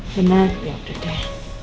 benar diap diap deh